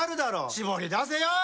絞り出せよー！